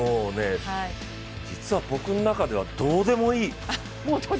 実は僕の中ではどうでもいい。